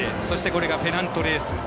これがペナントレース。